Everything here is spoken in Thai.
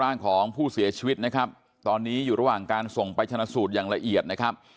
ร่างของผู้เสียชีวิตนะครับตอนนี้อยู่ระหว่างการส่งไปชนะสูตรอย่างละเอียดนะครับ